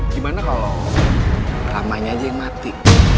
gimana kalau ramanya aja yang mati